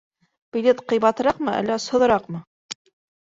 Билет ҡыйбатыраҡмы әллә осһоҙораҡмы?